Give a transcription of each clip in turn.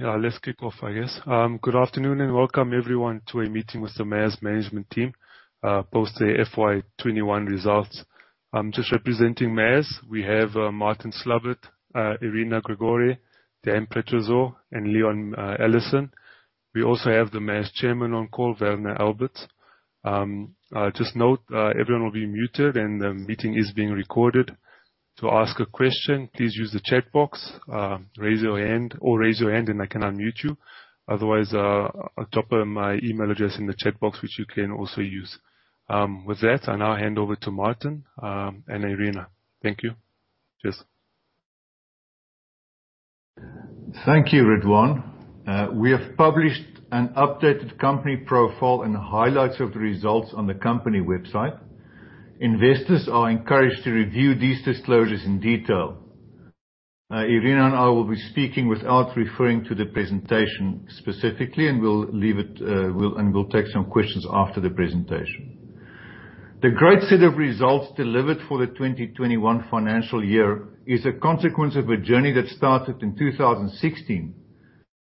Yeah, let's kick off, I guess. Good afternoon and welcome, everyone, to a meeting with the MAS management team, post their FY 2021 results. Just representing MAS, we have Martin Slabbert, Irina Grigore, Dan Petrișor, and Leon Allison. We also have the MAS Chairman on call, Werner Alberts. Just note, everyone will be muted and the meeting is being recorded. To ask a question, please use the chat box, or raise your hand and I can unmute you. Otherwise, I'll drop my email address in the chat box, which you can also use. With that, I now hand over to Martin and Irina. Thank you. Cheers. Thank you, Ridwaan. We have published an updated company profile and highlights of the results on the company website. Investors are encouraged to review these disclosures in detail. Irina and I will be speaking without referring to the presentation specifically, and we'll take some questions after the presentation. The great set of results delivered for the 2021 financial year is a consequence of a journey that started in 2016.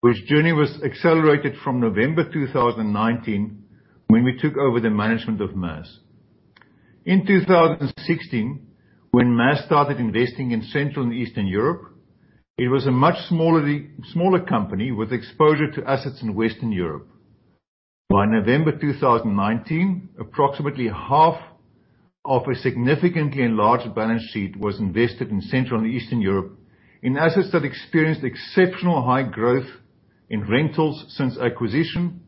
This journey was accelerated from November 2019, when we took over the management of MAS. In 2016, when MAS started investing in Central and Eastern Europe, it was a much smaller company with exposure to assets in Western Europe. By November 2019, approximately half of a significantly enlarged balance sheet was invested in Central and Eastern Europe, in assets that experienced exceptional high growth in rentals since acquisition,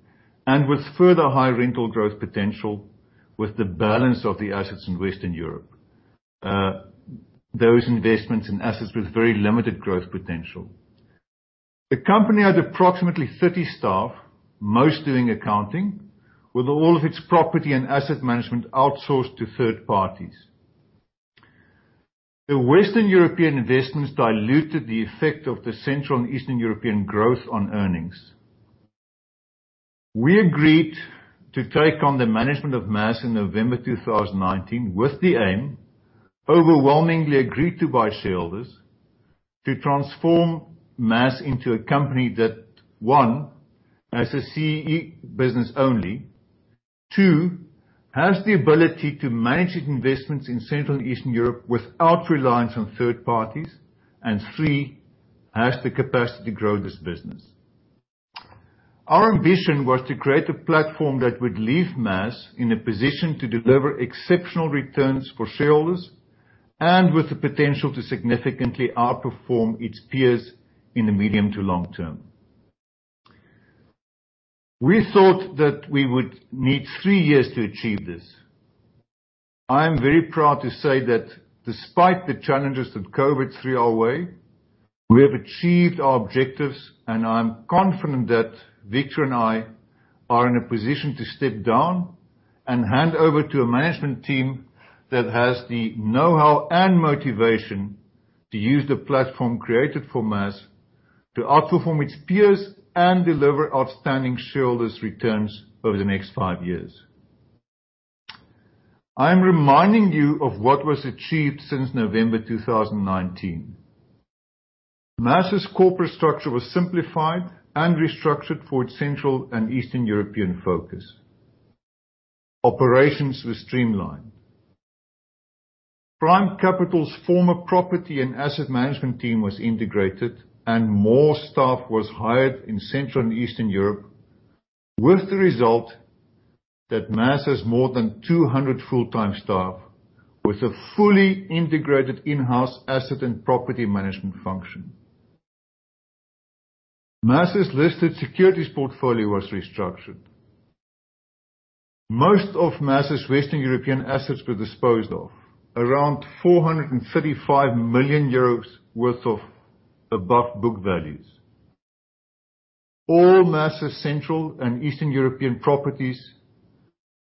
and with further high rental growth potential with the balance of the assets in Western Europe, those investments and assets with very limited growth potential. The company had approximately 30 staff, most doing accounting, with all of its property and asset management outsourced to third parties. The Western European investments diluted the effect of the Central and Eastern European growth on earnings. We agreed to take on the management of MAS in November 2019 with the aim, overwhelmingly agreed to by shareholders, to transform MAS into a company that, one, as a CEE business only. Two, has the ability to manage its investments in Central and Eastern Europe without reliance on third parties. Three, has the capacity to grow this business. Our ambition was to create a platform that would leave MAS in a position to deliver exceptional returns for shareholders, and with the potential to significantly outperform its peers in the medium to long term. We thought that we would need three years to achieve this. I am very proud to say that despite the challenges that COVID-19 threw our way, we have achieved our objectives, and I am confident that Victor and I are in a position to step down and hand over to a management team that has the knowhow and motivation to use the platform created for MAS to outperform its peers and deliver outstanding shareholders returns over the next five years. I am reminding you of what was achieved since November 2019. MAS's corporate structure was simplified and restructured for its Central and Eastern European focus. Operations were streamlined. Prime Kapital's former property and asset management team was integrated, and more staff was hired in Central and Eastern Europe, with the result that MAS has more than 200 full-time staff with a fully integrated in-house asset and property management function. MAS's listed securities portfolio was restructured. Most of MAS's Western European assets were disposed of. Around 435 million euros worth of above book values. All MAS's Central and Eastern European properties,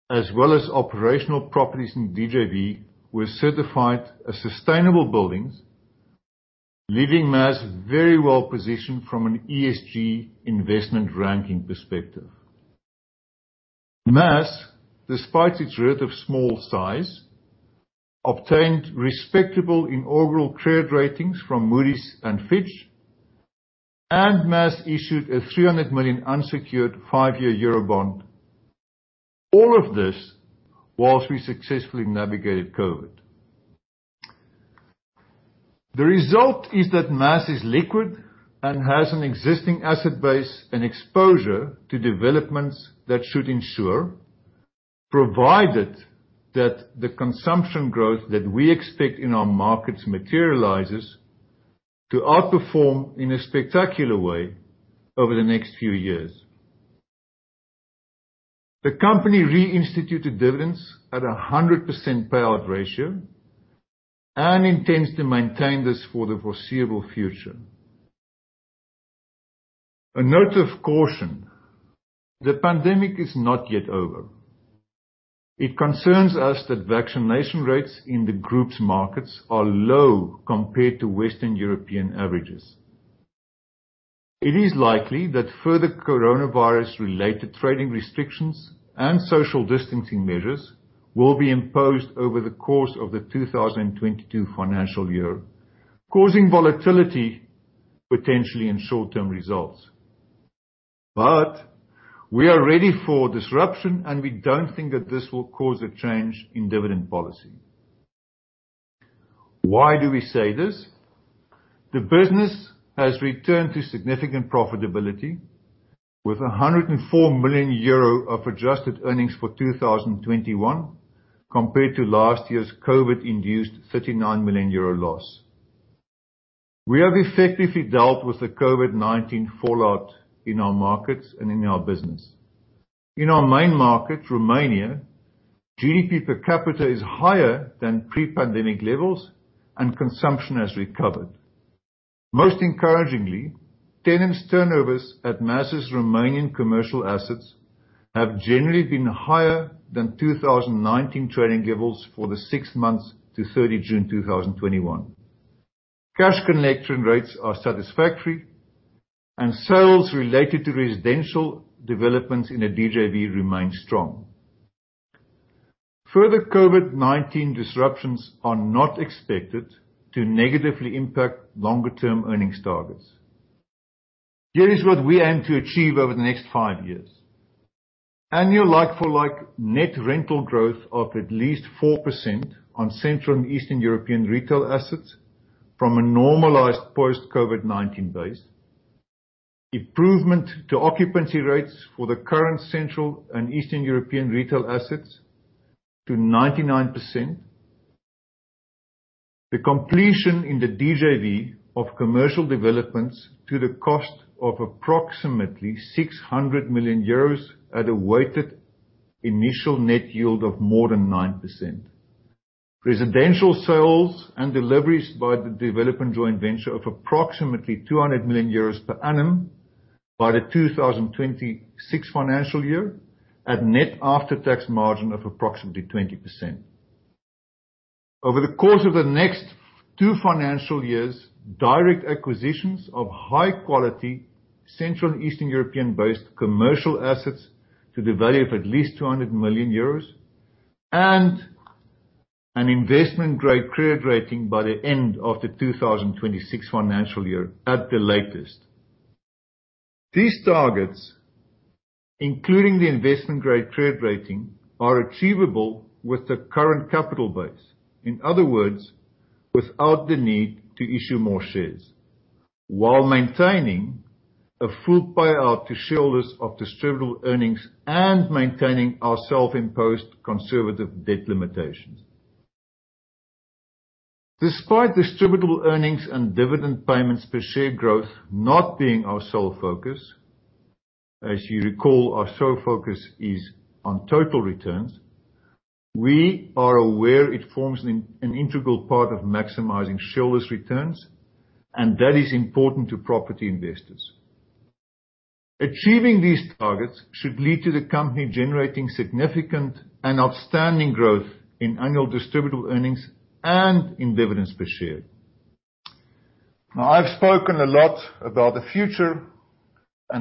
as well as operational properties in DJV, were certified as sustainable buildings, leaving MAS very well positioned from an ESG investment ranking perspective. MAS, despite its relative small size, obtained respectable inaugural credit ratings from Moody's and Fitch, and MAS issued a 300 million unsecured five-year euro bond. All of this whilst we successfully navigated COVID. The result is that MAS is liquid and has an existing asset base and exposure to developments that should ensure, provided that the consumption growth that we expect in our markets materializes, to outperform in a spectacular way over the next few years. The company reinstituted dividends at 100% payout ratio and intends to maintain this for the foreseeable future. A note of caution. The pandemic is not yet over. It concerns us that vaccination rates in the group's markets are low compared to Western European averages. It is likely that further coronavirus related trading restrictions and social distancing measures will be imposed over the course of the 2022 financial year, causing volatility potentially in short-term results. We are ready for disruption, and we don't think that this will cause a change in dividend policy. Why do we say this? The business has returned to significant profitability with 104 million euro of adjusted earnings for 2021 compared to last year's COVID-19 induced 39 million euro loss. We have effectively dealt with the COVID-19 fallout in our markets and in our business. In our main market, Romania, GDP per capita is higher than pre-pandemic levels and consumption has recovered. Most encouragingly, tenants turnovers at MAS' Romanian commercial assets have generally been higher than 2019 trading levels for the six months to 30 June 2021. Cash collection rates are satisfactory and sales related to residential developments in the DJV remain strong. Further COVID-19 disruptions are not expected to negatively impact longer term earnings targets. Here is what we aim to achieve over the next five years. Annual like-for-like net rental growth of at least 4% on Central and Eastern European retail assets from a normalized post-COVID-19 base. Improvement to occupancy rates for the current Central and Eastern European retail assets to 99%. The completion in the DJV of commercial developments to the cost of approximately 600 million euros at a weighted initial net yield of more than 9%. Residential sales and deliveries by the Development Joint Venture of approximately 200 million euros per annum by the 2026 financial year at net after-tax margin of approximately 20%. Over the course of the next two financial years, direct acquisitions of high quality Central and Eastern European based commercial assets to the value of at least 200 million euros, and an investment grade credit rating by the end of the 2026 financial year at the latest. These targets, including the investment grade credit rating, are achievable with the current capital base. In other words, without the need to issue more shares while maintaining a full payout to shareholders of distributable earnings and maintaining our self-imposed conservative debt limitations. Despite distributable earnings and dividend payments per share growth not being our sole focus, as you recall, our sole focus is on total returns, we are aware it forms an integral part of maximizing shareholders' returns, and that is important to property investors. Achieving these targets should lead to the company generating significant and outstanding growth in annual distributable earnings and in dividends per share. I've spoken a lot about the future.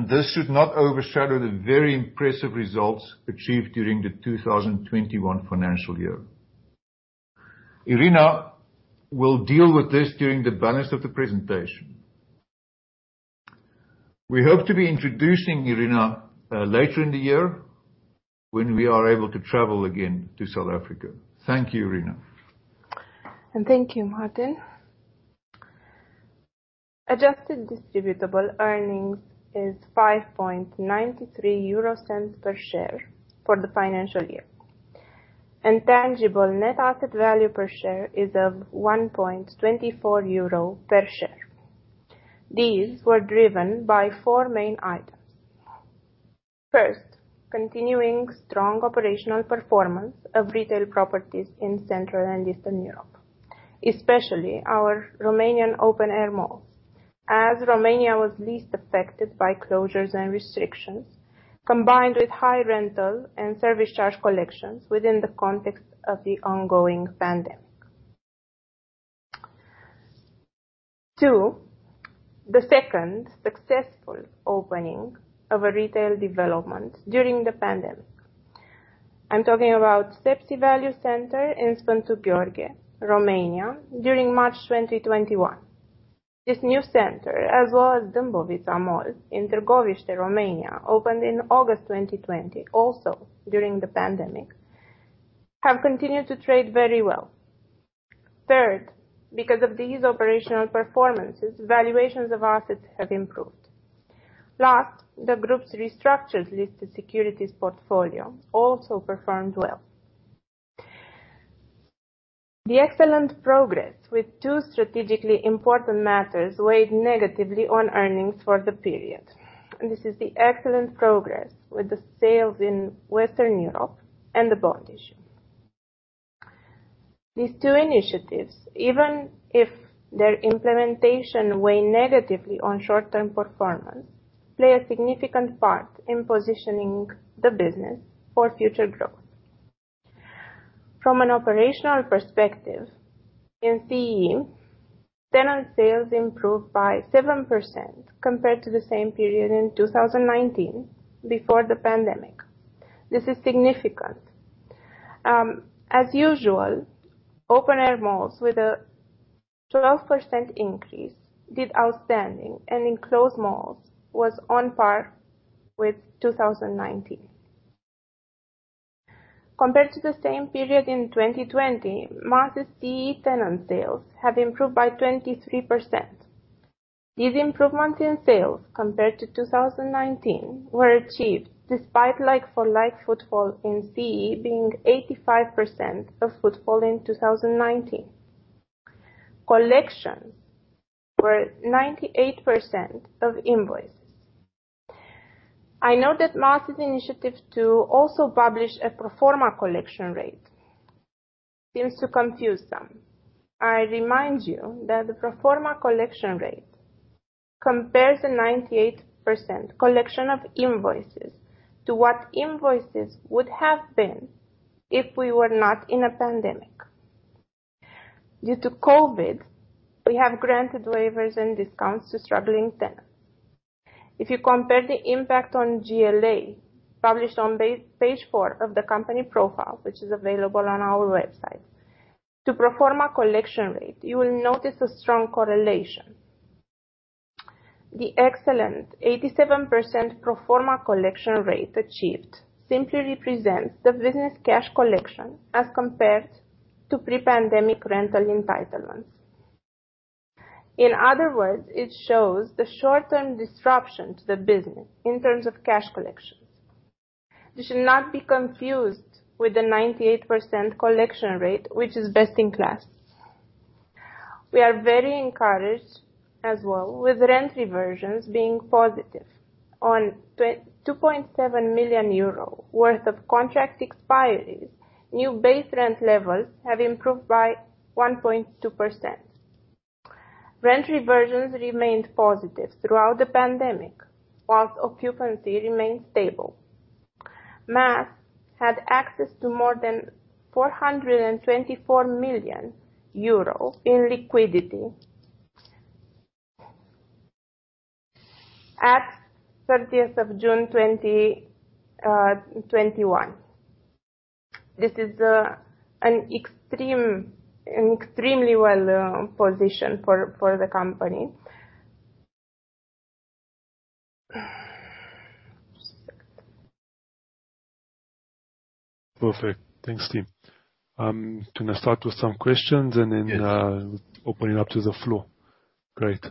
This should not overshadow the very impressive results achieved during the 2021 financial year. Irina will deal with this during the balance of the presentation. We hope to be introducing Irina later in the year when we are able to travel again to South Africa. Thank you, Irina. Thank you, Martin. Adjusted distributable earnings is 0.0593 per share for the financial year. Tangible net asset value per share is of 1.24 euro per share. These were driven by four main items. First, continuing strong operational performance of retail properties in Central and Eastern Europe, especially our Romanian open air malls, as Romania was least affected by closures and restrictions, combined with high rental and service charge collections within the context of the ongoing pandemic. Second, the second successful opening of a retail development during the pandemic. I'm talking about Sepsi Value Centre in Sfântu Gheorghe, Romania during March 2021. This new center, as well as Dâmbovița Mall in Târgoviște, Romania, opened in August 2020, also during the pandemic, have continued to trade very well. Third, because of these operational performances, valuations of assets have improved. Last, the group's restructured listed securities portfolio also performed well. The excellent progress with two strategically important matters weighed negatively on earnings for the period. This is the excellent progress with the sales in Western Europe and the bond issue. These two initiatives, even if their implementation weigh negatively on short-term performance, play a significant part in positioning the business for future growth. From an operational perspective, in CEE, tenant sales improved by 7% compared to the same period in 2019, before the pandemic. This is significant. As usual, open-air malls, with a 12% increase, did outstanding, and enclosed malls was on par with 2019. Compared to the same period in 2020, MAS' CEE tenant sales have improved by 23%. These improvements in sales, compared to 2019, were achieved despite like-for-like footfall in CEE being 85% of footfall in 2019. Collections were 98% of invoices. I know that MAS' initiative to also publish a pro forma collection rate seems to confuse some. I remind you that the pro forma collection rate compares a 98% collection of invoices to what invoices would have been if we were not in a pandemic. Due to COVID, we have granted waivers and discounts to struggling tenants. If you compare the impact on GLA, published on page four of the company profile, which is available on our website, to pro forma collection rate, you will notice a strong correlation. The excellent 87% pro forma collection rate achieved simply represents the business cash collection as compared to pre-pandemic rental entitlements. In other words, it shows the short-term disruption to the business in terms of cash collections. This should not be confused with the 98% collection rate, which is best in class. We are very encouraged as well with rent reversions being positive. On 2.7 million euro worth of contract expiries, new base rent levels have improved by 1.2%. Rent reversions remained positive throughout the pandemic, while occupancy remained stable. MAS had access to more than 424 million euro in liquidity at 30th of June 2021. This is an extremely well position for the company. Just a second. Perfect. Thanks, team. I'm going to start with some questions opening up to the floor. Great.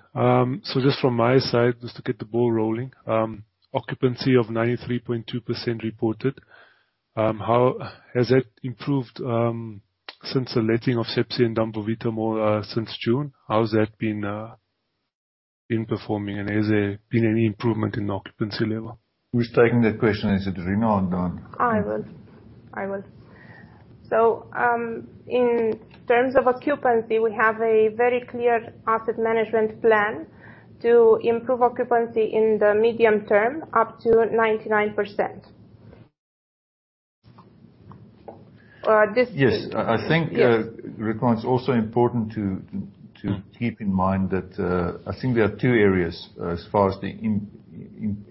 Just from my side, just to get the ball rolling, occupancy of 93.2% reported. Has that improved since the letting of CCC in Dâmbovița Mall since June? How has that been performing, and has there been any improvement in the occupancy level? Who's taking that question? Is it Irina or Dan? I will. In terms of occupancy, we have a very clear asset management plan to improve occupancy in the medium term up to 99%. Yes. I think, Irina, it's also important to keep in mind that I think there are two areas as far as the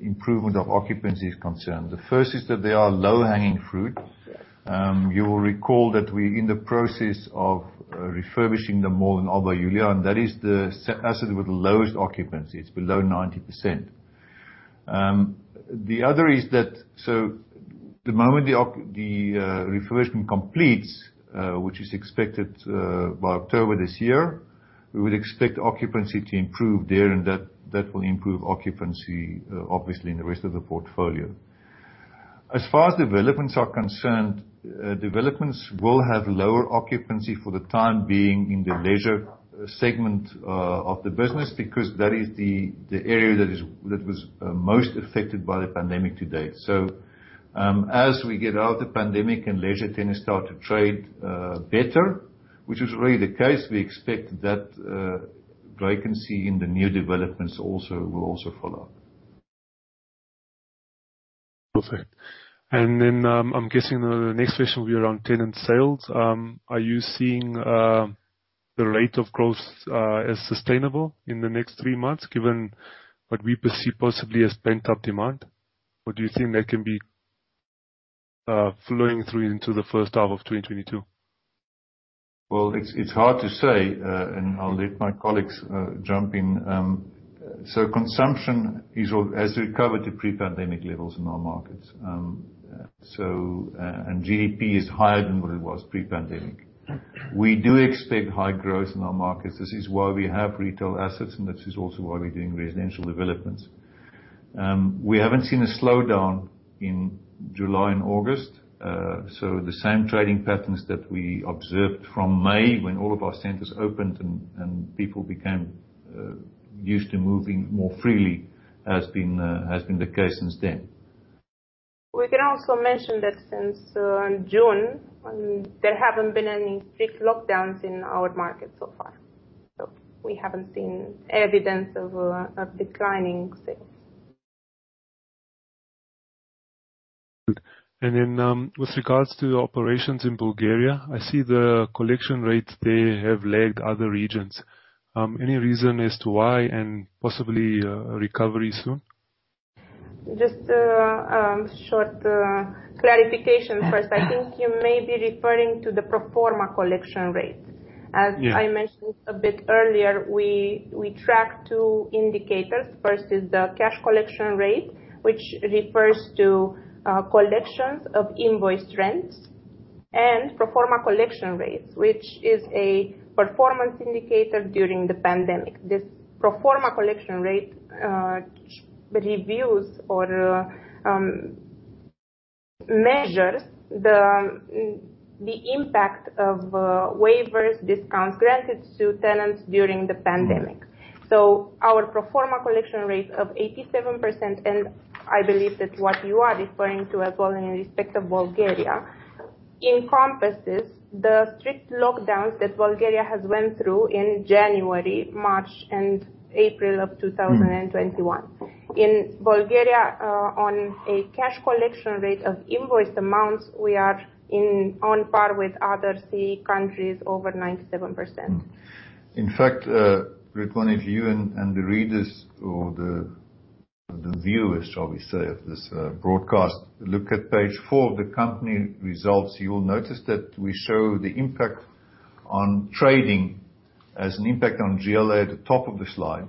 improvement of occupancy is concerned. The first is that there are low-hanging fruit. You will recall that we're in the process of refurbishing the mall in Alba Iulia, and that is the asset with the lowest occupancy. It's below 90%. The other is that, the moment the refurbishment completes, which is expected by October this year, we would expect occupancy to improve there, and that will improve occupancy, obviously, in the rest of the portfolio. As far as developments are concerned, developments will have lower occupancy for the time being in the leisure segment of the business, because that is the area that was most affected by the pandemic to date. As we get out the pandemic and leisure tenants start to trade better, which is already the case, we expect that vacancy in the new developments will also follow. Perfect. I'm guessing the next question will be around tenant sales. Are you seeing the rate of growth as sustainable in the next three months, given what we perceive possibly as pent-up demand? Do you think that can be flowing through into the first half of 2022? Well, it's hard to say, and I'll let my colleagues jump in. Consumption has recovered to pre-pandemic levels in our markets. GDP is higher than what it was pre-pandemic. We do expect high growth in our markets. This is why we have retail assets, and this is also why we're doing residential developments. We haven't seen a slowdown in July and August. The same trading patterns that we observed from May, when all of our centers opened and people became used to moving more freely, has been the case since then. We can also mention that since June, there haven't been any strict lockdowns in our market so far. We haven't seen evidence of declining sales. Good. With regards to the operations in Bulgaria, I see the collection rates there have lagged other regions. Any reason as to why, and possibly recovery soon? Just a short clarification first. I think you may be referring to the pro forma collection rate. Yeah. As I mentioned a bit earlier, we track two indicators. First is the cash collection rate, which refers to collections of invoiced rents, and pro forma collection rates, which is a performance indicator during the pandemic. This pro forma collection rate reviews or measures the impact of waivers, discounts granted to tenants during the pandemic. Our pro forma collection rate of 87%, and I believe that's what you are referring to as well in respect of Bulgaria, encompasses the strict lockdowns that Bulgaria has went through in January, March, and April of 2021. In Bulgaria, on a cash collection rate of invoiced amounts, we are on par with other CEE countries, over 97%. In fact, Ridwaan, if you and the readers or the viewers, shall we say, of this broadcast, look at page four of the company results, you will notice that we show the impact on trading as an impact on GLA at the top of the slide,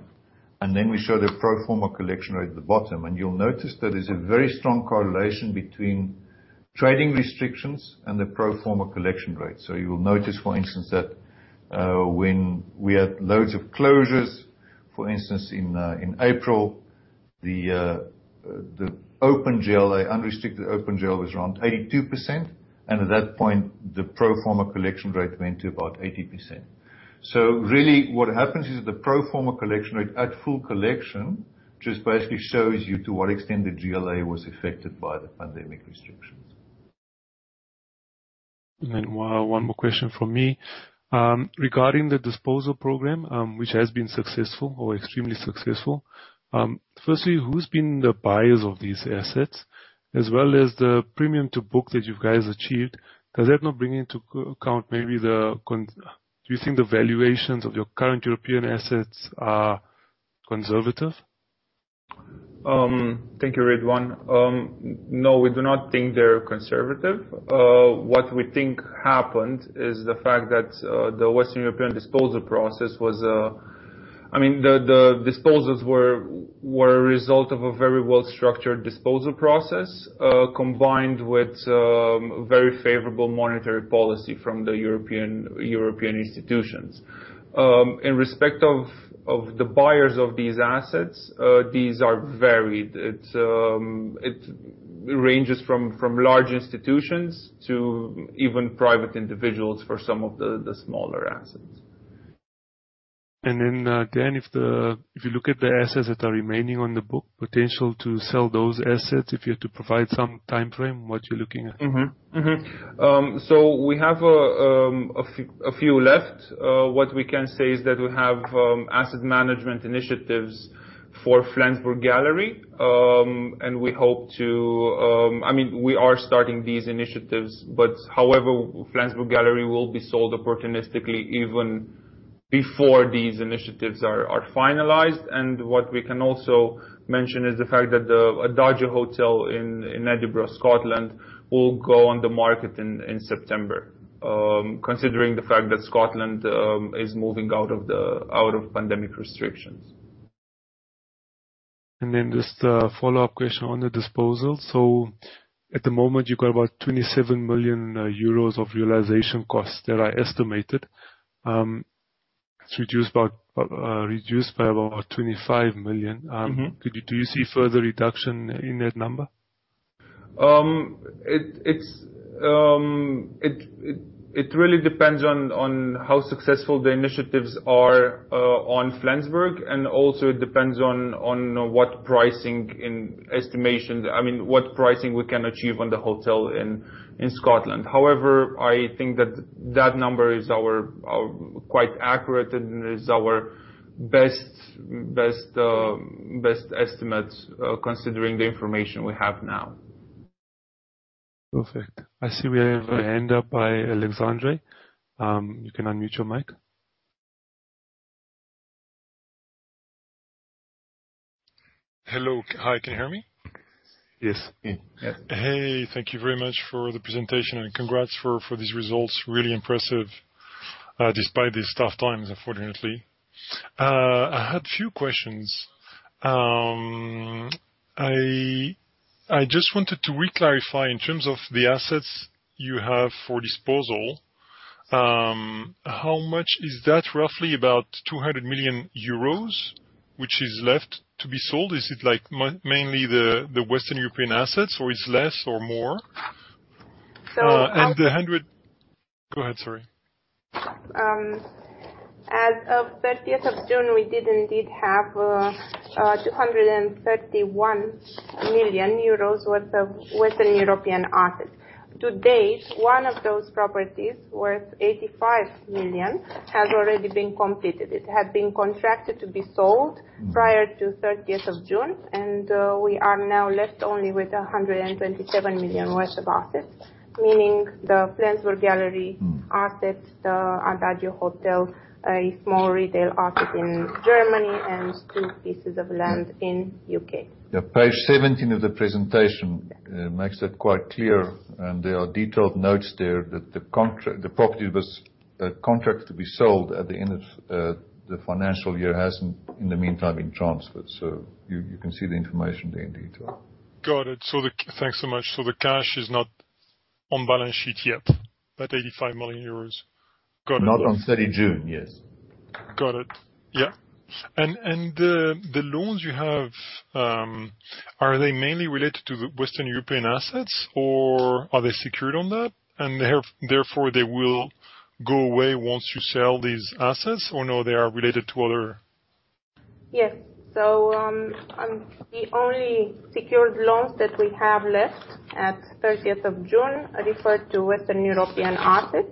and then we show the pro forma collection rate at the bottom. You'll notice there is a very strong correlation between trading restrictions and the pro forma collection rate. You will notice, for instance, that when we had loads of closures, for instance, in April, the unrestricted open GLA was around 82%, and at that point, the pro forma collection rate went to about 80%. Really what happens is the pro forma collection rate at full collection just basically shows you to what extent the GLA was affected by the pandemic restrictions. One more question from me. Regarding the disposal program, which has been successful or extremely successful. Firstly, who's been the buyers of these assets, as well as the premium to book that you guys achieved, does that not bring into account maybe, do you think the valuations of your current European assets are conservative? Thank you, Ridwaan. No, we do not think they're conservative. What we think happened is the fact that the disposals were a result of a very well-structured disposal process, combined with very favorable monetary policy from the European institutions. In respect of the buyers of these assets, these are varied. It ranges from large institutions to even private individuals for some of the smaller assets. Dan, if you look at the assets that are remaining on the book, potential to sell those assets, if you had to provide some timeframe, what you're looking at? We have a few left. What we can say is that we have asset management initiatives for Flensburg Galerie. We are starting these initiatives. However, Flensburg Galerie will be sold opportunistically even before these initiatives are finalized. What we can also mention is the fact that the Adagio Hotel in Edinburgh, Scotland, will go on the market in September, considering the fact that Scotland is moving out of pandemic restrictions. Just a follow-up question on the disposal. At the moment, you've got about 27 million euros of realization costs that are estimated. It's reduced by about 25 million. Do you see further reduction in that number? It really depends on how successful the initiatives are on Flensburg, and also it depends on what pricing we can achieve on the hotel in Scotland. However, I think that that number is quite accurate and is our best estimate, considering the information we have now. Perfect. I see we have a hand up by Alexandre. You can unmute your mic. Hello. Hi, can you hear me? Yes. Hey. Thank you very much for the presentation, congrats for these results. Really impressive, despite these tough times, unfortunately. I had a few questions. I just wanted to re-clarify, in terms of the assets you have for disposal, how much is that, roughly about 200 million euros, which is left to be sold? Is it mainly the Western European assets, or it's less or more? So- Go ahead, sorry. As of 30th of June, we did indeed have 231 million euros worth of Western European assets. To date, one of those properties, worth 85 million, has already been completed. It had been contracted to be sold prior to 30th of June. We are now left only with 127 million worth of assets, meaning the Flensburg Galerie asset, the Adagio Hotel, a small retail asset in Germany, and two pieces of land in U.K. Yeah. Page 17 of the presentation makes that quite clear. There are detailed notes there that the property that was contracted to be sold at the end of the financial year hasn't, in the meantime, been transferred. You can see the information there in detail. Got it. Thanks so much. The cash is not on balance sheet yet, that 85 million euros. Got it. Not on 30 June. Yes. Got it. Yeah. The loans you have, are they mainly related to the Western European assets, or are they secured on that and therefore they will go away once you sell these assets? Or no, they are related to other? Yes. The only secured loans that we have left at 30th of June refer to Western European assets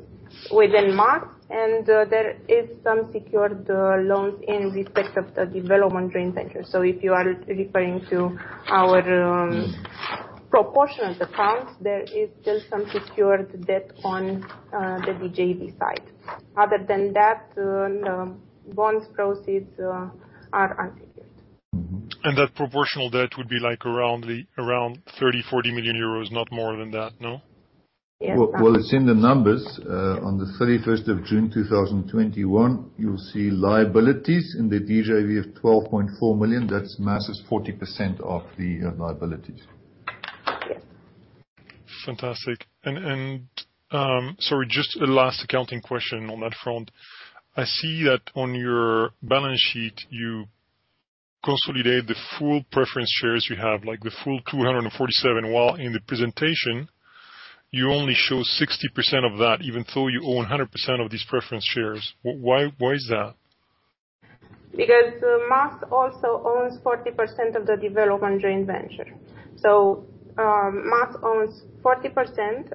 within MAS, and there is some secured loans in respect of the Development Joint Venture. If you are referring to our proportionate accounts, there is still some secured debt on the DJV side. Other than that, the bonds proceeds are unsecured. That proportional debt would be around 30 million-40 million euros, not more than that, no? Yes. Well, it's in the numbers. On the 31st of June, 2021, you'll see liabilities in the DJV of EUR 12.4 million. That's massive, 40% of the liabilities. Fantastic. Sorry, just a last accounting question on that front. I see that on your balance sheet, you consolidate the full preference shares you have, like the full 247, while in the presentation you only show 60% of that, even though you own 100% of these preference shares. Why is that? MAS also owns 40% of the development joint venture. MAS owns 40%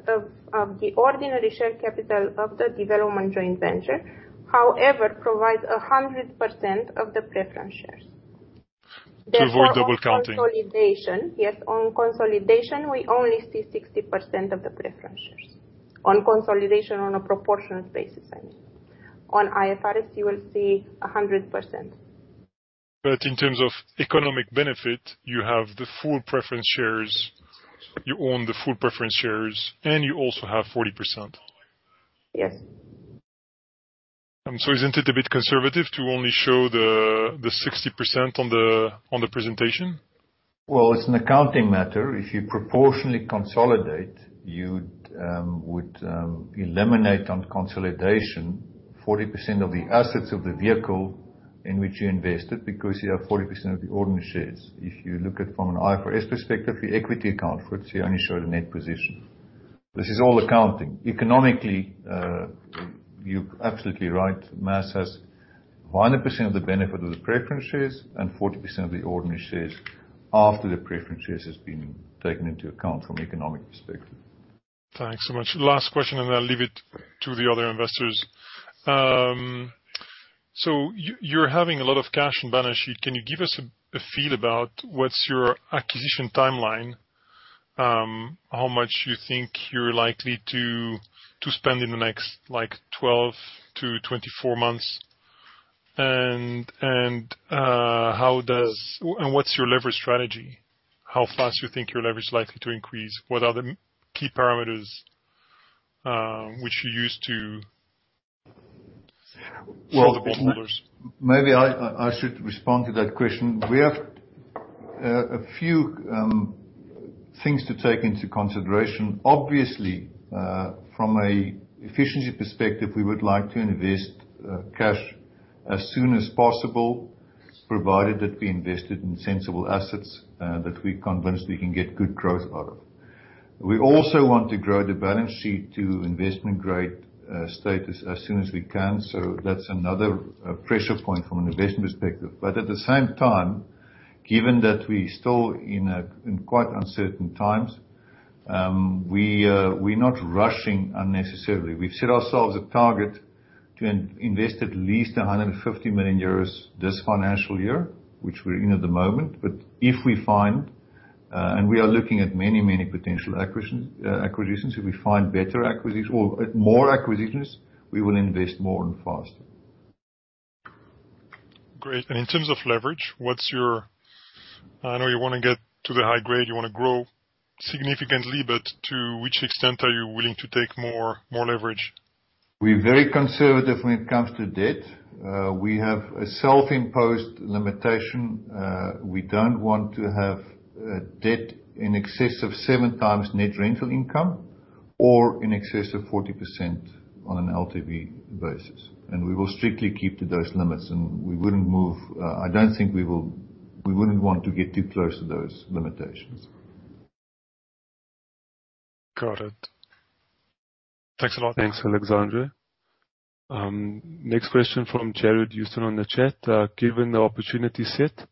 of the ordinary share capital of the development joint venture, however, provides 100% of the preference shares. To avoid double counting. Yes. On consolidation, we only see 60% of the preference shares. On consolidation on a proportionate basis, I mean. On IFRS, you will see 100%. In terms of economic benefit, you have the full preference shares, you own the full preference shares, and you also have 40%. Yes. Isn't it a bit conservative to only show the 60% on the presentation? Well, it's an accounting matter. If you proportionally consolidate, you would eliminate on consolidation 40% of the assets of the vehicle in which you invested because you have 40% of the ordinary shares. If you look at it from an IFRS perspective, the equity account, which you only show the net position. This is all accounting. Economically, you're absolutely right. MAS has 100% of the benefit of the preference shares and 40% of the ordinary shares after the preference share has been taken into account from economic perspective. Thanks so much. Last question, and then I'll leave it to the other investors. You're having a lot of cash in balance sheet. Can you give us a feel about what's your acquisition timeline? How much you think you're likely to spend in the next 12-24 months, and what's your leverage strategy? How fast you think your leverage likely to increase? What are the key parameters, which you use to show the bottom holders? Maybe I should respond to that question. We have a few things to take into consideration. Obviously, from an efficiency perspective, we would like to invest cash as soon as possible, provided that we invest it in sensible assets that we're convinced we can get good growth out of. We also want to grow the balance sheet to investment grade status as soon as we can. That's another pressure point from an investment perspective. At the same time, given that we're still in quite uncertain times, we're not rushing unnecessarily. We've set ourselves a target to invest at least 150 million euros this financial year, which we're in at the moment. If we find, and we are looking at many potential acquisitions, if we find better acquisitions or more acquisitions, we will invest more and faster. Great, in terms of leverage, what's your I know you want to get to the high grade, you want to grow significantly, but to which extent are you willing to take more leverage? We're very conservative when it comes to debt. We have a self-imposed limitation. We don't want to have debt in excess of 7x net rental income or in excess of 40% on an LTV basis. We will strictly keep to those limits, I don't think we wouldn't want to get too close to those limitations. Got it. Thanks a lot. Thanks, Alexandre. Next question from Jared Houston on the chat. Given the opportunity set,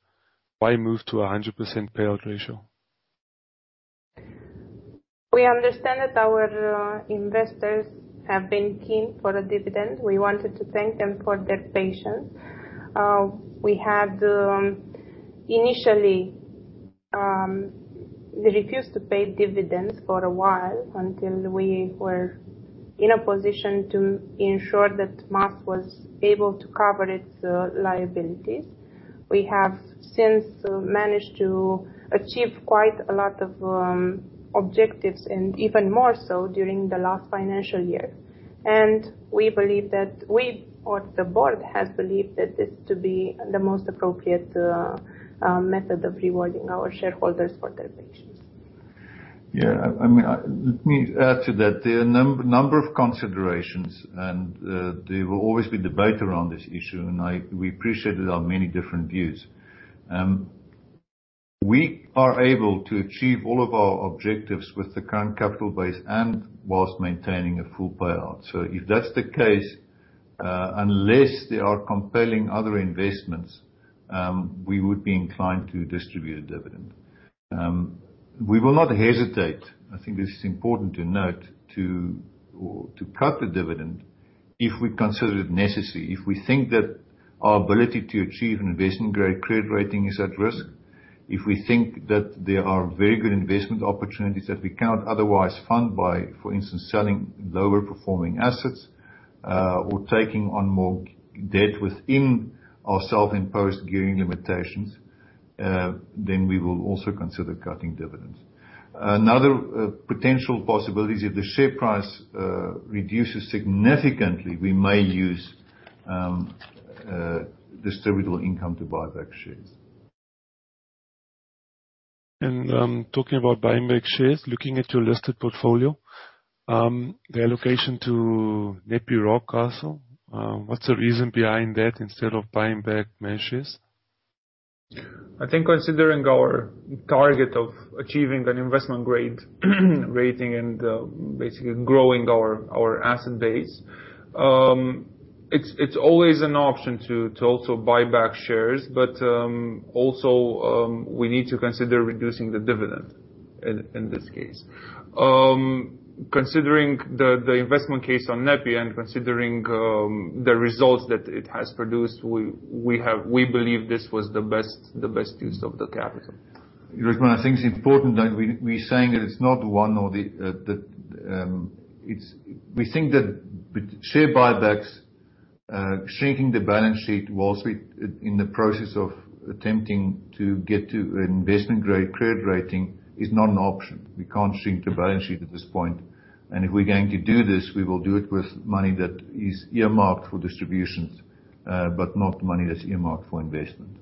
why move to 100% payout ratio? We understand that our investors have been keen for a dividend. We wanted to thank them for their patience. We had initially refused to pay dividends for a while, until we were in a position to ensure that MAS was able to cover its liabilities. We have since managed to achieve quite a lot of objectives, and even more so during the last financial year. We, or the board, has believed that this to be the most appropriate method of rewarding our shareholders for their patience. Yeah. Let me add to that. There are a number of considerations, and there will always be debate around this issue, and we appreciate that there are many different views. We are able to achieve all of our objectives with the current capital base and whilst maintaining a full payout. If that's the case, unless there are compelling other investments, we would be inclined to distribute a dividend. We will not hesitate, I think this is important to note, to cut the dividend if we consider it necessary. If we think that our ability to achieve an investment-grade credit rating is at risk, if we think that there are very good investment opportunities that we cannot otherwise fund by, for instance, selling lower-performing assets, or taking on more debt within our self-imposed gearing limitations, then we will also consider cutting dividends. Another potential possibility, if the share price reduces significantly, we may use distributable income to buy back shares. Talking about buying back shares, looking at your listed portfolio, the allocation to NEPI Rockcastle, what's the reason behind that instead of buying back MAS shares? I think considering our target of achieving an investment-grade rating and basically growing our asset base, it's always an option to also buy back shares. Also, we need to consider reducing the dividend in this case. Considering the investment case on NEPI and considering the results that it has produced, we believe this was the best use of the capital. Ridwaan, well, I think it's important that We think that share buybacks, shrinking the balance sheet whilst we're in the process of attempting to get to an investment-grade credit rating is not an option. We can't shrink the balance sheet at this point. If we're going to do this, we will do it with money that is earmarked for distributions, but not money that's earmarked for investment.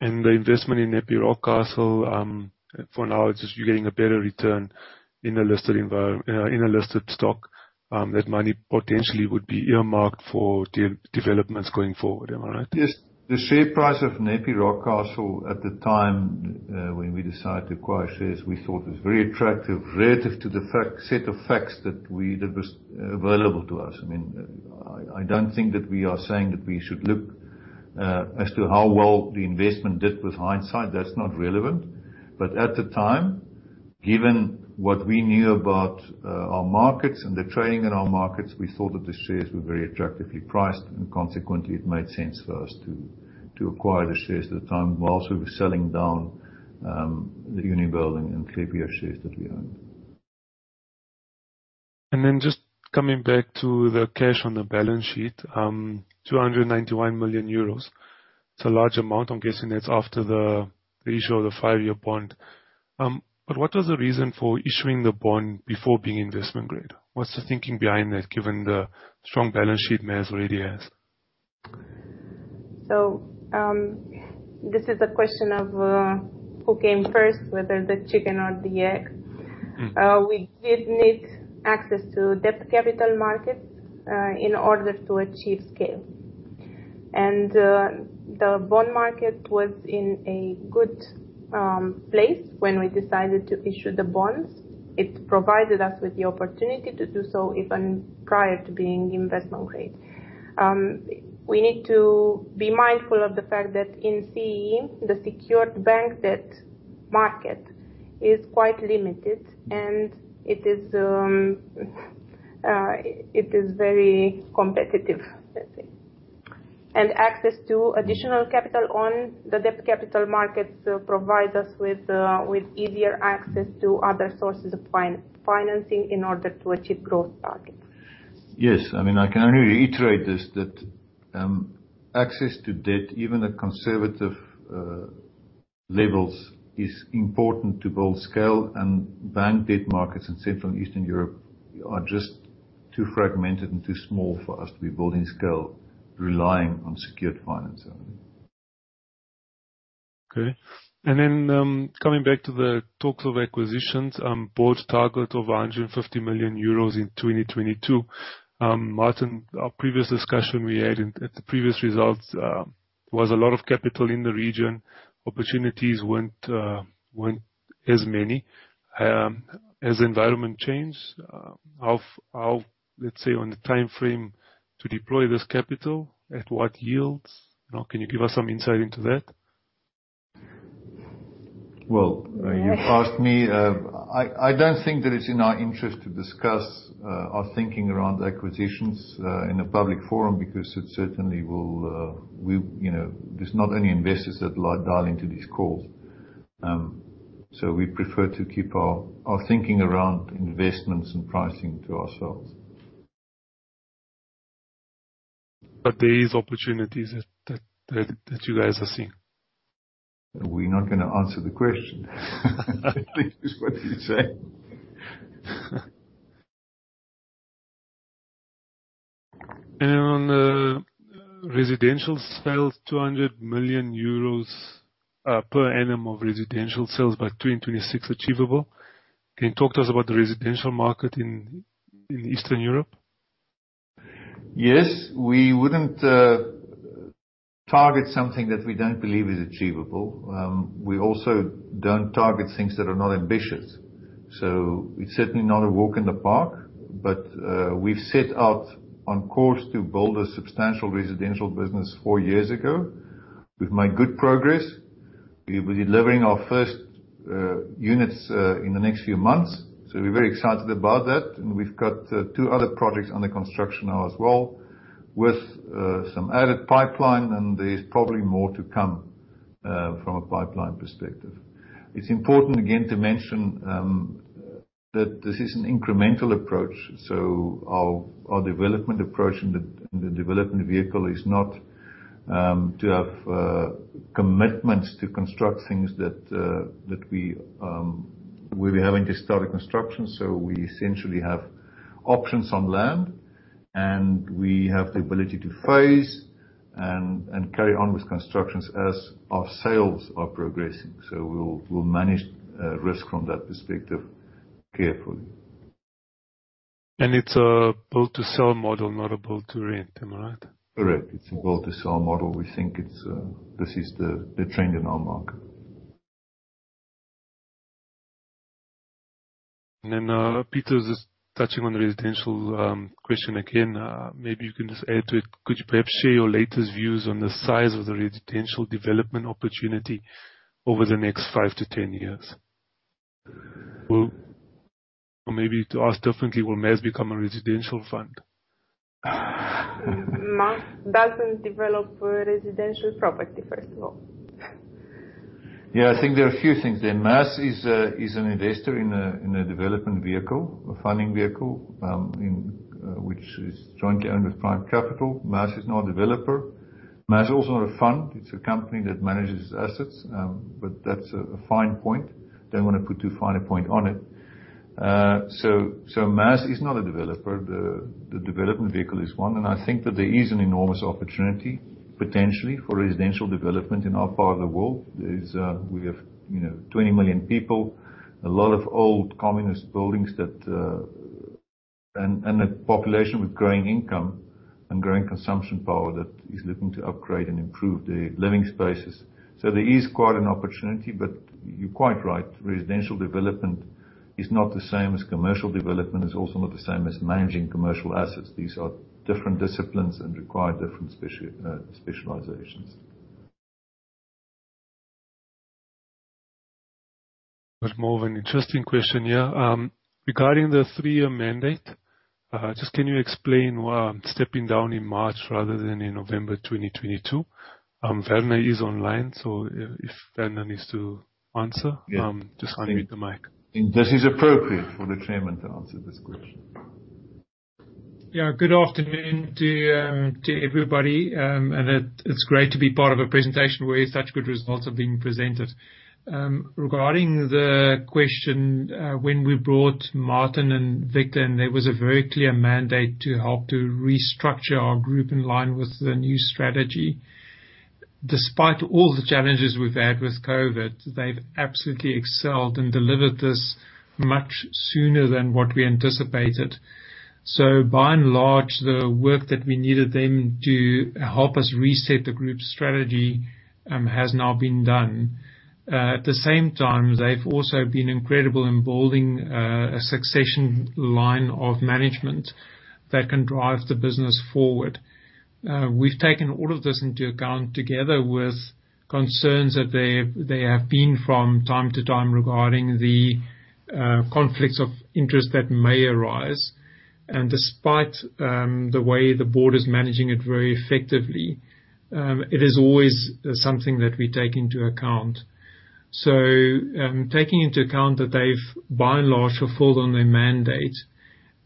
The investment in NEPI Rockcastle, for now it's just you're getting a better return in a listed stock. That money potentially would be earmarked for developments going forward. Am I right? Yes. The share price of NEPI Rockcastle at the time when we decided to acquire shares, we thought was very attractive relative to the set of facts that was available to us. I don't think that we are saying that we should look as to how well the investment did with hindsight. That's not relevant. At the time, given what we knew about our markets and the trading in our markets, we thought that the shares were very attractively priced, and consequently, it made sense for us to acquire the shares at the time, whilst we were selling down the Unibail-Rodamco-Westfield and Klépierre shares that we owned. Then just coming back to the cash on the balance sheet, 291 million euros. It's a large amount. I'm guessing that's after the issue of the five-year bond. What was the reason for issuing the bond before being investment-grade? What's the thinking behind that, given the strong balance sheet MAS already has? This is a question of who came first, whether the chicken or the egg. We did need access to debt capital markets in order to achieve scale. The bond market was in a good place when we decided to issue the bonds. It provided us with the opportunity to do so even prior to being investment-grade. We need to be mindful of the fact that in CEE, the secured bank debt market is quite limited and it is very competitive, let's say. Access to additional capital on the debt capital markets provide us with easier access to other sources of financing in order to achieve growth targets. Yes. I can only reiterate this, that access to debt, even at conservative levels, is important to build scale and bank debt markets in Central and Eastern Europe are just too fragmented and too small for us to be building scale relying on secured finance only. Okay. coming back to the talks of acquisitions, board target of 150 million euros in 2022. Martin, our previous discussion we had at the previous results, was a lot of capital in the region. Opportunities weren't as many. Has environment changed? Let's say, on the timeframe to deploy this capital, at what yields? Can you give us some insight into that? Well, you asked me, I don't think that it's in our interest to discuss our thinking around acquisitions in a public forum, because there's not only investors that dial into these calls. We prefer to keep our thinking around investments and pricing to ourselves. There is opportunities that you guys are seeing. We're not going to answer the question. That is what you say. On the residential sales, 200 million euros per annum of residential sales by 2026 achievable. Can you talk to us about the residential market in Eastern Europe? Yes. We wouldn't target something that we don't believe is achievable. We also don't target things that are not ambitious. It's certainly not a walk in the park, but we've set out on course to build a substantial residential business four years ago. We've made good progress. We'll be delivering our first units in the next few months, so we're very excited about that. We've got two other projects under construction now as well, with some added pipeline. There's probably more to come from a pipeline perspective. It's important, again, to mention that this is an incremental approach, so our development approach and the development vehicle is not to have commitments to construct things that we haven't started construction. We essentially have options on land, and we have the ability to phase and carry on with constructions as our sales are progressing. We'll manage risk from that perspective carefully. It's a build to sell model, not a build to rent. Am I right? Correct. It's a build to sell model. We think this is the trend in our market. Just touching on the residential question again. Maybe you can just add to it. Could you perhaps share your latest views on the size of the residential development opportunity over the next five to 10 years? Maybe to ask differently, will MAS become a residential fund? MAS doesn't develop residential property, first of all. Yeah, I think there are a few things there. MAS is an investor in a development vehicle, a funding vehicle, which is jointly owned with Prime Kapital. MAS is not a developer. MAS is also not a fund. It's a company that manages assets. That's a fine point. Don't want to put too fine a point on it. MAS is not a developer. The development vehicle is one. I think that there is an enormous opportunity, potentially, for residential development in our part of the world. We have 20 million people, a lot of old communist buildings, and a population with growing income and growing consumption power that is looking to upgrade and improve their living spaces. There is quite an opportunity, but you're quite right, residential development is not the same as commercial development. It's also not the same as managing commercial assets. These are different disciplines and require different specializations. More of an interesting question here. Regarding the three-year mandate, just can you explain why stepping down in March rather than in November 2022? Werner is online, so if Werner needs to answer. Yeah. Just hand him the mic. This is appropriate for the Chairman to answer this question. Yeah. Good afternoon to everybody. It's great to be part of a presentation where such good results are being presented. Regarding the question, when we brought Martin and Victor in, there was a very clear mandate to help to restructure our group in line with the new strategy. Despite all the challenges we've had with COVID-19, they've absolutely excelled and delivered this much sooner than what we anticipated. By and large, the work that we needed them to help us reset the group strategy has now been done. At the same time, they've also been incredible in building a succession line of management that can drive the business forward. We've taken all of this into account, together with concerns that there have been from time to time regarding the conflicts of interest that may arise. Despite the way the board is managing it very effectively, it is always something that we take into account. Taking into account that they've by and large fulfilled on their mandate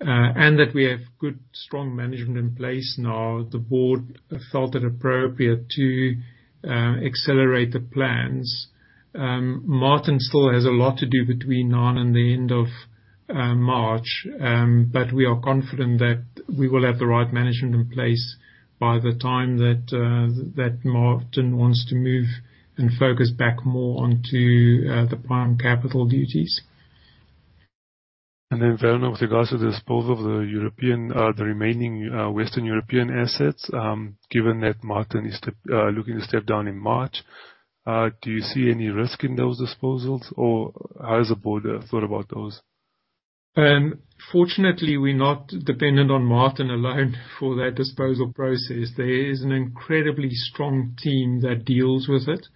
and that we have good, strong management in place now, the board felt it appropriate to accelerate the plans. Martin still has a lot to do between now and the end of March. We are confident that we will have the right management in place by the time that Martin wants to move and focus back more onto the Prime Kapital duties. Werner, with regards to the disposal of the remaining Western European assets, given that Martin is looking to step down in March, do you see any risk in those disposals, or how has the board thought about those? Fortunately, we're not dependent on Martin alone for that disposal process. There is an incredibly strong team that deals with it.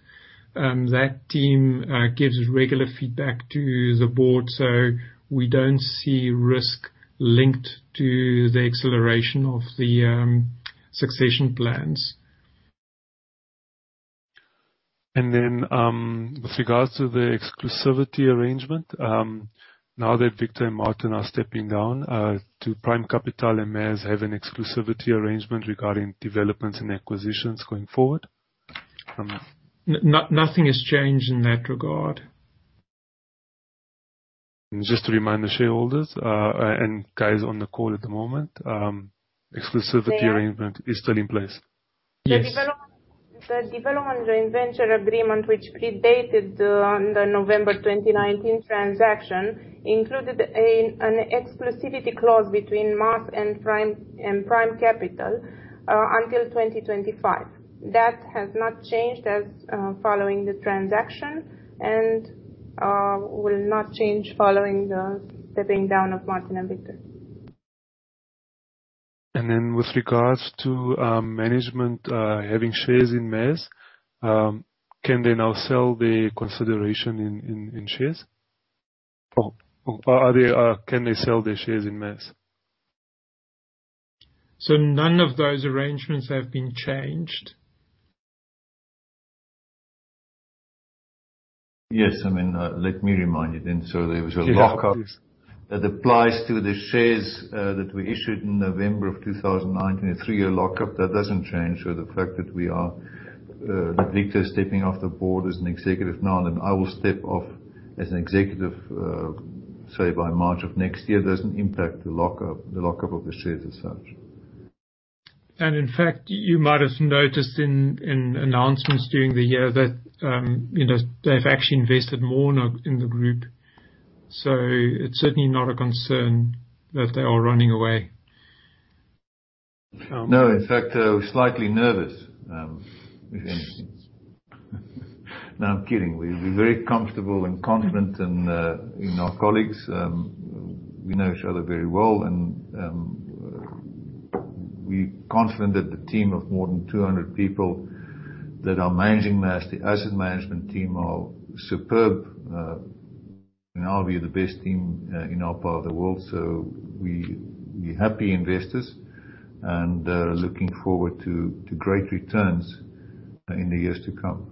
That team gives regular feedback to the board, so we don't see risk linked to the acceleration of the succession plans. With regards to the exclusivity arrangement, now that Victor and Martin are stepping down, do Prime Kapital and MAS have an exclusivity arrangement regarding developments and acquisitions going forward? Nothing has changed in that regard. Just to remind the shareholders, and guys on the call at the moment, exclusivity arrangement is still in place. Yes. The development joint venture agreement, which predated on the November 2019 transaction, included an exclusivity clause between MAS and Prime Kapital until 2025. That has not changed as following the transaction, and will not change following the stepping down of Martin and Victor. With regards to management having shares in MAS, can they now sell their consideration in shares? Or can they sell their shares in MAS? None of those arrangements have been changed. Yes. Let me remind you then. There was a lockup that applies to the shares that we issued in November of 2019, a three-year lockup. That doesn't change. The fact that Victor is stepping off the board as an executive now, and I will step off as an executive, say, by March of next year, doesn't impact the lockup of the shares as such. In fact, you might have noticed in announcements during the year that they've actually invested more now in the group. It's certainly not a concern that they are running away. No. In fact, they're slightly nervous, if anything. No, I'm kidding. We're very comfortable and confident in our colleagues. We know each other very well, and we're confident that the team of more than 200 people that are managing MAS, the asset management team are superb. In our view, the best team in our part of the world. We're happy investors and looking forward to great returns in the years to come.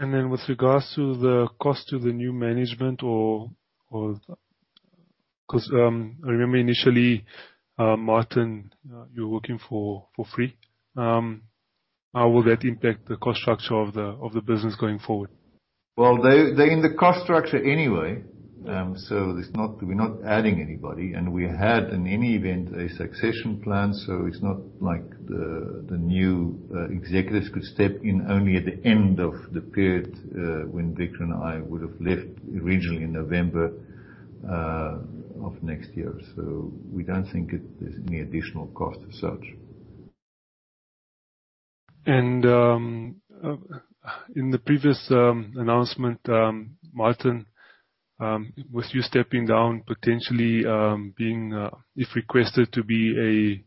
Then with regards to the cost to the new management, because I remember initially, Martin, you were working for free. How will that impact the cost structure of the business going forward? Well, they're in the cost structure anyway. We're not adding anybody, and we had, in any event, a succession plan. It's not like the new executives could step in only at the end of the period, when Victor and I would've left originally in November of next year. We don't think there's any additional cost as such. In the previous announcement, Martin, with you stepping down, potentially being, if requested, to be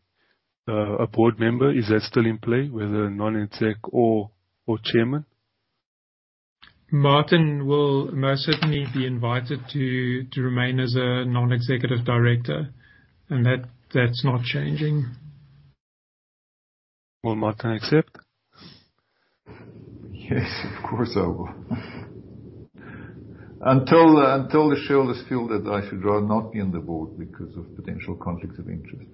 a board member, is that still in play, whether non-exec or chairman? Martin will most certainly be invited to remain as a non-executive director. That's not changing. Will Martin accept? Yes, of course, I will. Until the shareholders feel that I should rather not be on the board because of potential conflicts of interest.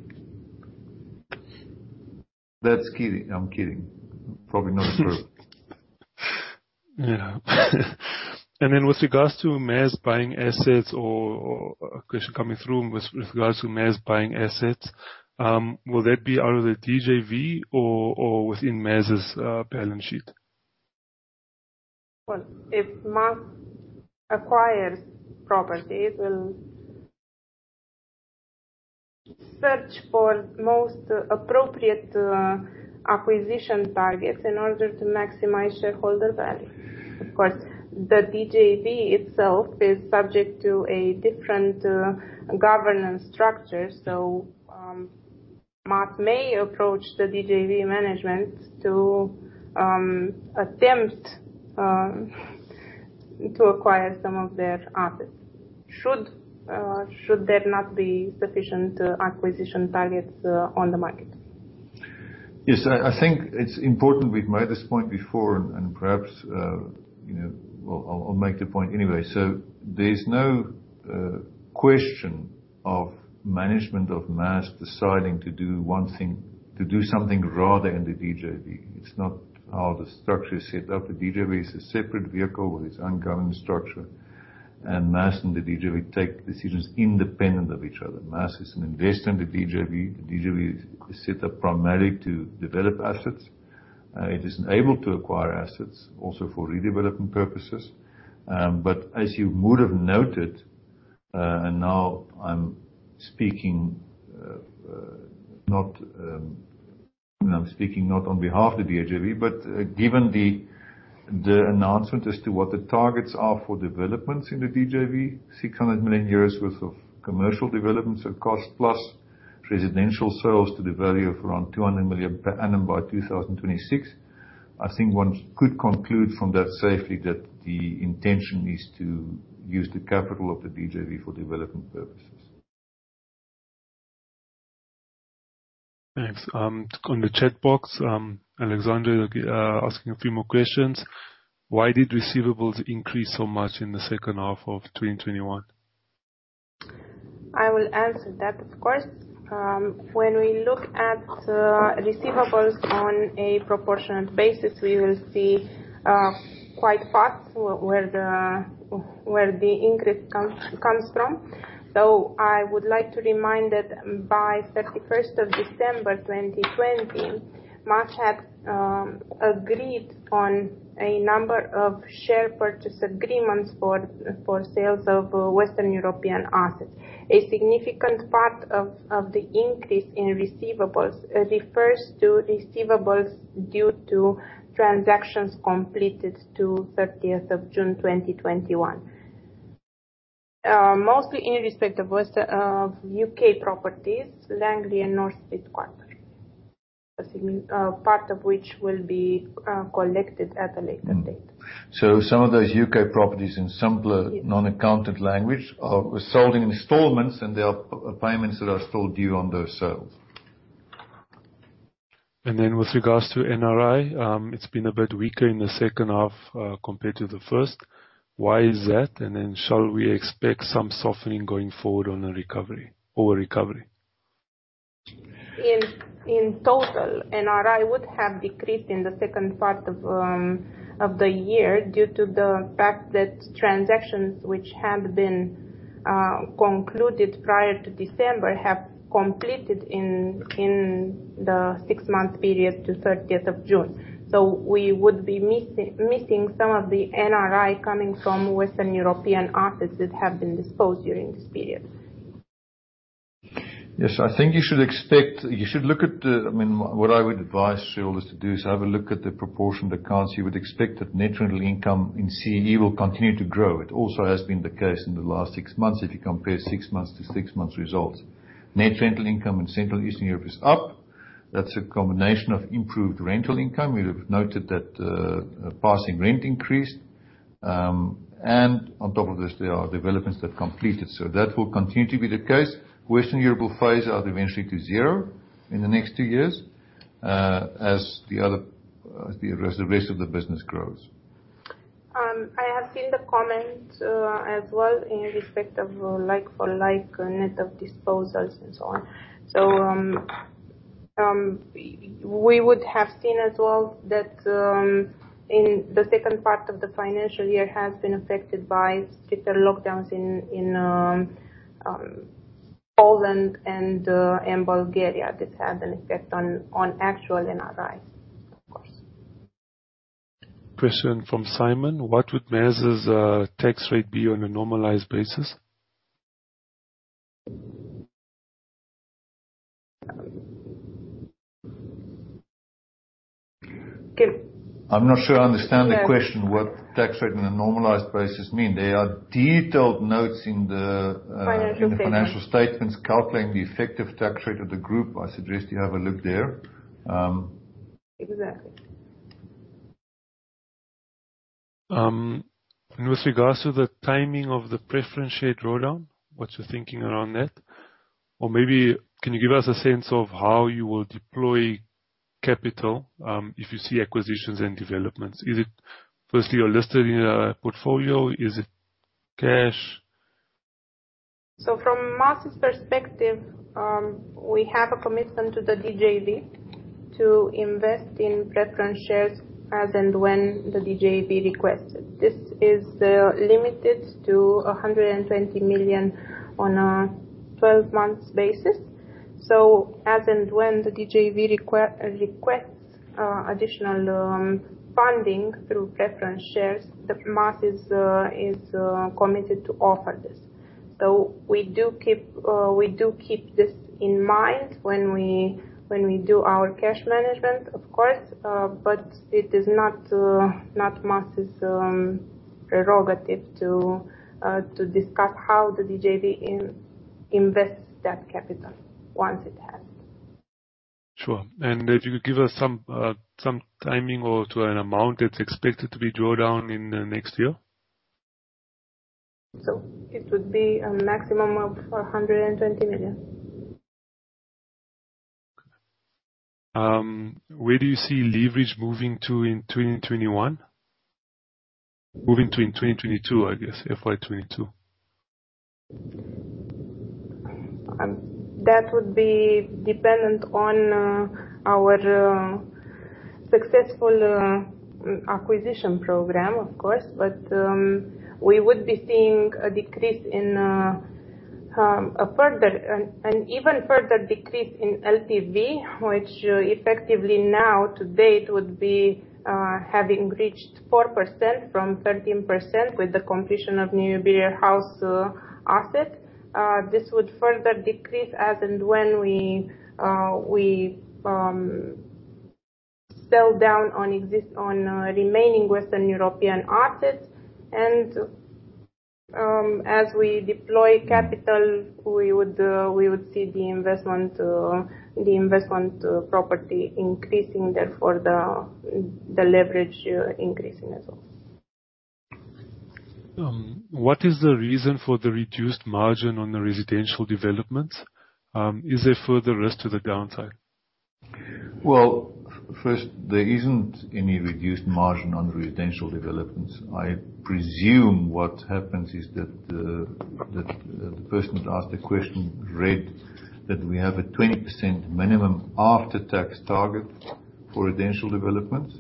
That's kidding. I'm kidding. Probably not appropriate. Yeah. A question coming through with regards to MAS buying assets, will that be out of the DJV or within MAS's balance sheet? Well, if MAS acquires property, it will search for most appropriate acquisition targets in order to maximize shareholder value. Of course, the DJV itself is subject to a different governance structure. MAS may approach the DJV management to attempt to acquire some of their assets. Should there not be sufficient acquisition targets on the market. I think it's important, we've made this point before, and perhaps, I'll make the point anyway. There's no question of management of MAS deciding to do something rather than the DJV. It's not how the structure is set up. The DJV is a separate vehicle with its own governing structure, and MAS and the DJV take decisions independent of each other. MAS is an investor in the DJV. The DJV is set up primarily to develop assets. It is able to acquire assets also for redevelopment purposes. As you would've noted, and now I'm speaking not on behalf of the DJV, but given the announcement as to what the targets are for developments in the DJV, 600 million euros worth of commercial developments at cost, plus residential sales to the value of around 200 million per annum by 2026. I think one could conclude from that safely that the intention is to use the capital of the DJV for development purposes. Thanks. On the chat box, Alexandra asking a few more questions. Why did receivables increase so much in the second half of 2021? I will answer that, of course. When we look at receivables on a proportionate basis, we will see quite fast where the increase comes from. I would like to remind that by 31st of December 2020, MAS had agreed on a number of share purchase agreements for sales of Western European assets. A significant part of the increase in receivables refers to receivables due to transactions completed to 30th of June 2021. Mostly in respect of U.K. properties, Langley and North Street Quarter, part of which will be collected at a later date. Some of those U.K. properties in simpler, non-accountant language, are sold in installments, and there are payments that are still due on those sales. With regards to NRI, it's been a bit weaker in the second half compared to the first. Why is that? Shall we expect some softening going forward on a recovery, or recovery? In total, NRI would have decreased in the second part of the year due to the fact that transactions which had been concluded prior to December have completed in the six-month period to 30th of June. We would be missing some of the NRI coming from Western European assets that have been disposed during this period. Yes. I think what I would advise shareholders to do is have a look at the proportion of the accounts. You would expect that net rental income in CEE will continue to grow. It also has been the case in the last six months, if you compare six months to six months results. Net rental income in Central and Eastern Europe is up. That's a combination of improved rental income. We have noted that passing rent increased. On top of this, there are developments that completed. That will continue to be the case. Western Europe will phase out eventually to zero in the next two years, as the rest of the business grows. I have seen the comment as well in respect of like for like, net of disposals and so on. We would have seen as well that in the second part of the financial year has been affected by stricter lockdowns in Poland and Bulgaria. This had an effect on actual NRI, of course. Question from Simon: What would MAS' tax rate be on a normalized basis? Can- I'm not sure I understand the question. What tax rate on a normalized basis mean? There are detailed notes in the- Financial statements financial statements calculating the effective tax rate of the group. I suggest you have a look there. Exactly. With regards to the timing of the preference share drawdown, what's your thinking around that? Maybe can you give us a sense of how you will deploy capital if you see acquisitions and developments? Is it firstly your listed portfolio? Is it cash? From MAS' perspective, we have a commitment to the DJV to invest in preference shares as and when the DJV requests it. This is limited to 120 million on a 12-month basis. As and when the DJV requests additional funding through preference shares, then MAS is committed to offer this. We do keep this in mind when we do our cash management, of course. It is not MAS' prerogative to discuss how the DJV invests that capital once it has it. Sure. If you could give us some timing or to an amount that's expected to be drawn down in the next year? It would be a maximum of 120 million. Where do you see leverage moving to in 2021, moving to in 2022, I guess, FY 2022? That would be dependent on our successful acquisition program, of course. We would be seeing a further, an even further decrease in LTV, which effectively now to date would be having reached 4% from 13% with the completion of New Beer House asset. This would further decrease as and when we sell down on remaining Western European assets. As we deploy capital, we would see the investment property increasing, therefore the leverage increasing as well. What is the reason for the reduced margin on the residential developments? Is there further risk to the downside? Well, first, there isn't any reduced margin on residential developments. I presume what happens is that the person who asked the question read that we have a 20% minimum after-tax target for residential developments,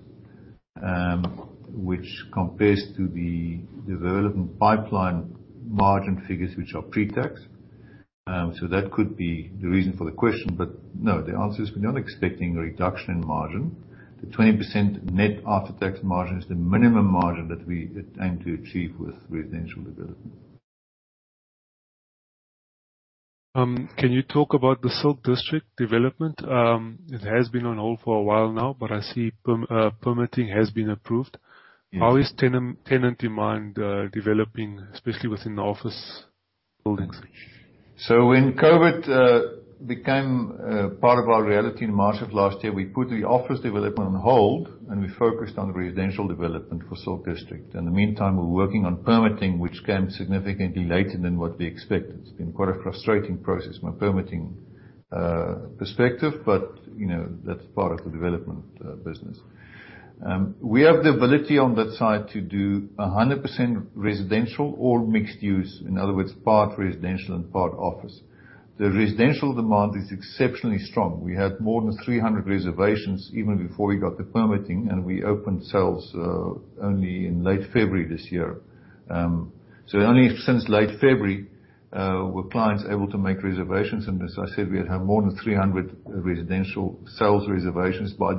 which compares to the development pipeline margin figures, which are pre-tax. That could be the reason for the question. No, the answer is we're not expecting a reduction in margin. The 20% net after-tax margin is the minimum margin that we aim to achieve with residential developments. Can you talk about the Silk District development? It has been on hold for a while now, but I see permitting has been approved. Yes. How is tenant demand developing, especially within the office buildings? When COVID became part of our reality in March of last year, we put the office development on hold, and we focused on residential development for Silk District. In the meantime, we were working on permitting, which came significantly later than what we expected. It's been quite a frustrating process from a permitting perspective, but that's part of the development business. We have the ability on that site to do 100% residential or mixed use. In other words, part residential and part office. The residential demand is exceptionally strong. We had more than 300 reservations even before we got the permitting, and we opened sales only in late February this year. Only since late February were clients able to make reservations, and as I said, we had had more than 300 residential sales reservations by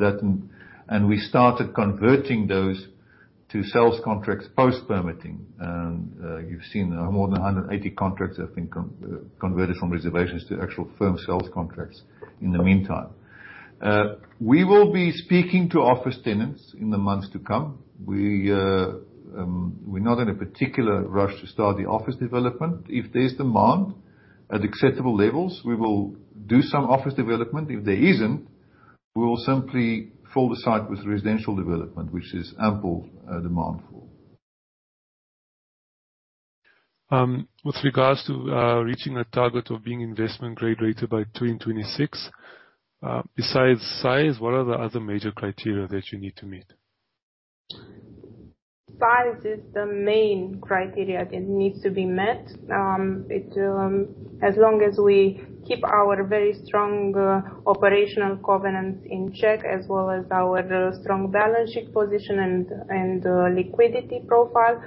then. We started converting those to sales contracts post-permitting. You've seen more than 180 contracts have been converted from reservations to actual firm sales contracts in the meantime. We will be speaking to office tenants in the months to come. We're not in a particular rush to start the office development. If there's demand at acceptable levels, we will do some office development. If there isn't, we will simply fill the site with residential development, which is ample demand for. With regards to reaching the target of being investment grade rated by 2026. Besides size, what are the other major criteria that you need to meet? Size is the main criteria that needs to be met. As long as we keep our very strong operational covenants in check, as well as our strong balance sheet position and liquidity profile,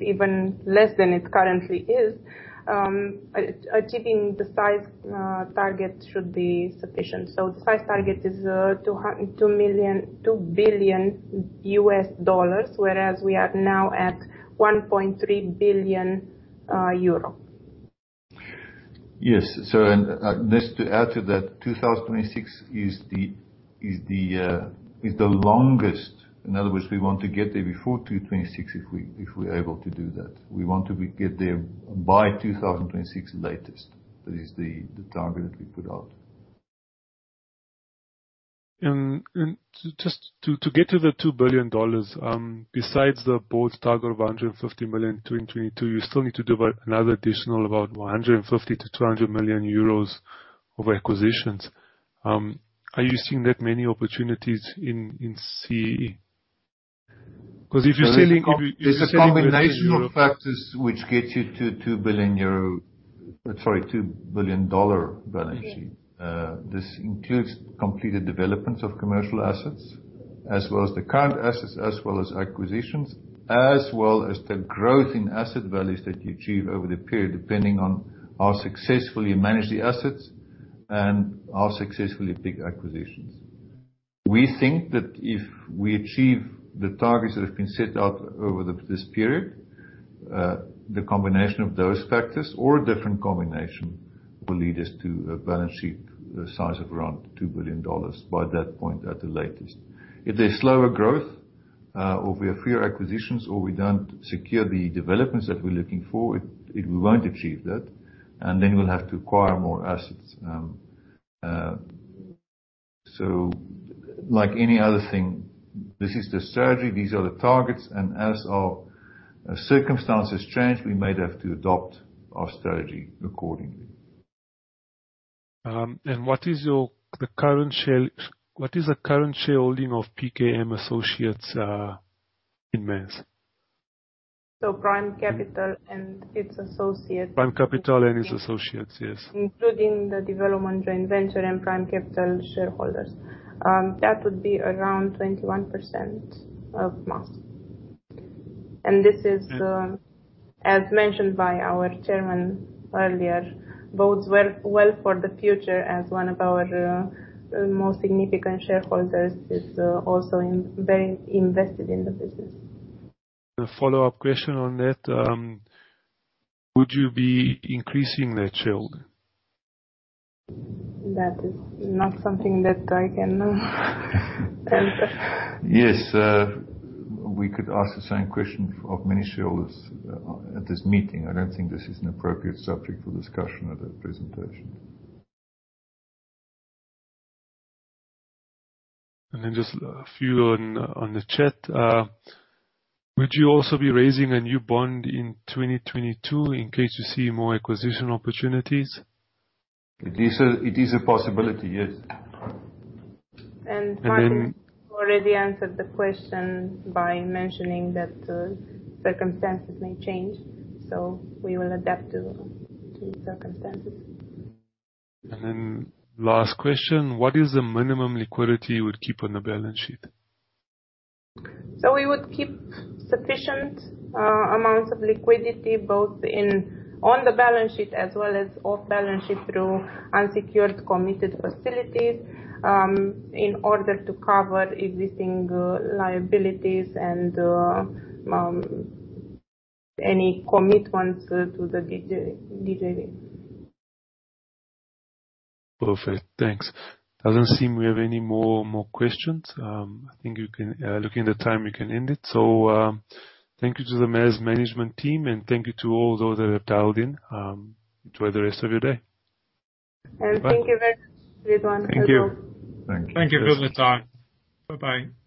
even less than it currently is. Achieving the size target should be sufficient. The size target is $2 billion, whereas we are now at 1.3 billion euro. Yes. Just to add to that, 2026 is the longest. In other words, we want to get there before 2026, if we're able to do that. We want to get there by 2026 latest. That is the target that we put out. Just to get to the $2 billion, besides the board's target of 150 million in 2022, you still need to develop another additional about 150 million-200 million euros of acquisitions. Are you seeing that many opportunities in CEE? It's a combination of factors which gets you to 2 billion euro. Sorry, $2 billion balance sheet. Yes. This includes completed developments of commercial assets, as well as the current assets, as well as acquisitions, as well as the growth in asset values that you achieve over the period, depending on how successfully you manage the assets and how successfully you pick acquisitions. We think that if we achieve the targets that have been set out over this period, the combination of those factors or a different combination will lead us to a balance sheet size of around $2 billion by that point at the latest. If there's slower growth or we have fewer acquisitions or we don't secure the developments that we're looking for, we won't achieve that, and then we'll have to acquire more assets. Like any other thing, this is the strategy, these are the targets, and as our circumstances change, we may have to adopt our strategy accordingly. What is the current shareholding of PKM Associates in MAS? Prime Kapital and its associates. Prime Kapital and its associates, yes. Including the development joint venture and Prime Kapital shareholders. That would be around 21% of MAS. This is, as mentioned by our Chairman earlier, bodes well for the future as one of our most significant shareholders is also very invested in the business. A follow-up question on that. Would you be increasing that yield? That is not something that I can answer. Yes. We could ask the same question of many shareholders at this meeting. I don't think this is an appropriate subject for discussion at a presentation. Just a few on the chat. Would you also be raising a new bond in 2022 in case you see more acquisition opportunities? It is a possibility, yes. Martin already answered the question by mentioning that circumstances may change. We will adapt to the circumstances. Last question, what is the minimum liquidity you would keep on the balance sheet? We would keep sufficient amounts of liquidity, both on the balance sheet as well as off balance sheet, through unsecured committed facilities, in order to cover existing liabilities and any commitments to the development joint venture. Perfect. Thanks. Doesn't seem we have any more questions. I think looking at the time, we can end it. Thank you to the MAS management team, and thank you to all those that have dialed in. Enjoy the rest of your day. Bye. Thank you very much, everyone. Thank you. Thank you for your time. Bye-bye.